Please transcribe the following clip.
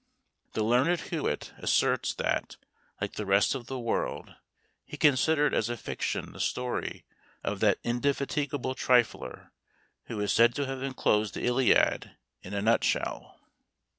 The learned Huet asserts that, like the rest of the world, he considered as a fiction the story of that indefatigable trifler who is said to have enclosed the Iliad in a nutshell.